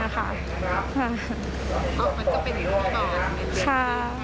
ค่ะช่องดีปีใหม่